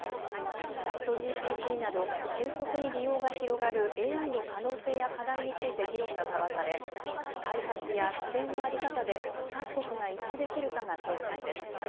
ＣｈａｔＧＰＴなど急速に利用が広がるＡＩの可能性や課題について議論が交わされ開発や規制の在り方で各国が一致できるかが焦点です。